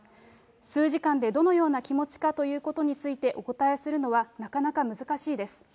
数時間でどのような気持ちかというようなことについてお答えするのはなかなか難しいです。